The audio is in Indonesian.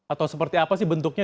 atau seperti apa sih bentuknya